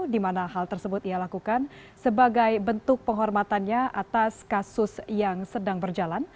di mana hal tersebut ia lakukan sebagai bentuk penghormatannya atas kasus yang sedang berjalan